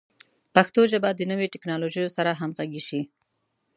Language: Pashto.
پښتو ژبه د نویو ټکنالوژیو سره همغږي شي.